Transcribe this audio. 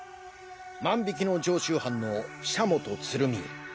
万引きの常習犯の社本鶴美。